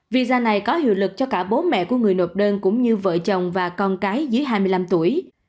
visa này có hiệu lực cho cả bố mẹ của người nộp đơn cũng như vợ chồng và con cái dưới hai mươi năm tuổi